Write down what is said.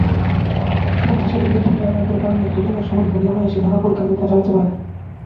শক্তিশালী ব্যাটিং লাইন-আপের কারণে ফিল্ডিংয়ের সময় ধোনি অনায়সে নানা পরীক্ষা-নিরীক্ষা চালাতে পারে।